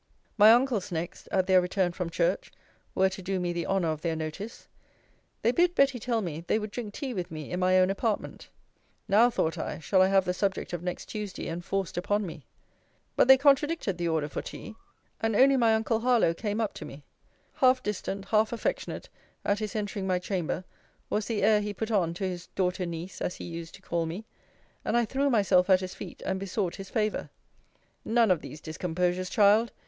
My uncles next, (at their return from church) were to do me the honour of their notice. They bid Betty tell me, they would drink tea with me in my own apartment. Now, thought I, shall I have the subject of next Tuesday enforced upon me. But they contradicted the order for tea, and only my uncle Harlowe came up to me. Half distant, half affectionate, at his entering my chamber, was the air he put on to his daughter niece, as he used to call me; and I threw myself at his feet, and besought his favour. None of these discomposures, Child.